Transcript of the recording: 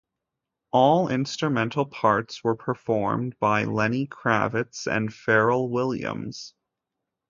All instrumental parts were performed by Lenny Kravitz and Pharrell Williams.